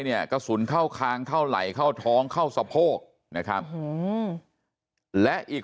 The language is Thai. เนี่ยกระสุนเข้าคางเข้าไหลเข้าท้องเข้าสะโพกนะครับและอีก